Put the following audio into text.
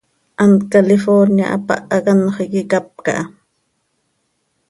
Hant Califórnia hapáh hac anxö iiqui capca ha.